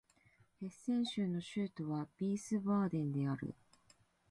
ヘッセン州の州都はヴィースバーデンである